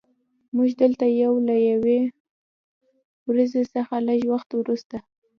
موږ دلته یو له یوې ورځې څخه لږ وخت وروسته